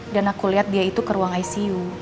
dan aku liat dia itu ke ruang icu